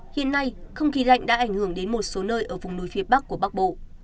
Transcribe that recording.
hiện nay không khí lạnh đã ảnh hưởng đến một số nơi ở vùng núi phía bắc của bắc bộ